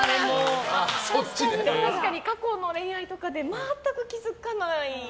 過去の恋愛とかで全く気づかない。